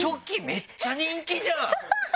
めっちゃ人気じゃん！